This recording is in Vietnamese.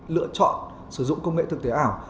lựa chọn sử dụng công nghệ thực tế ảo